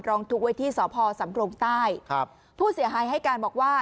ทุกข์ไว้ที่สพสำรงใต้ครับผู้เสียหายให้การบอกว่า